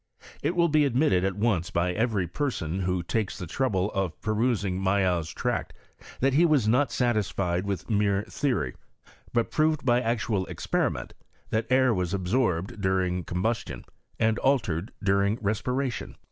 It will bo ndmitted at once by every person who lake* the trouble of perusing Mayow's tract, that he was not sutisticd with mere theory; but prored ' by actual experiment that air was absorbed during combustion, and altered during respiration.